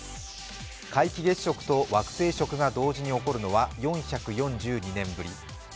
皆既月食と惑星食が同時に起こるのは４４２年ぶり。